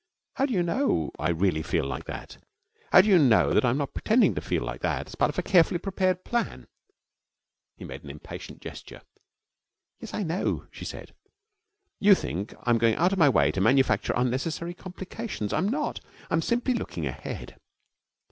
'How do you know I really feel like that? How do you know that I am not pretending to feel like that as part of a carefully prepared plan?' He made an impatient gesture. 'Yes, I know,' she said. 'You think I am going out of my way to manufacture unnecessary complications. I'm not; I'm simply looking ahead.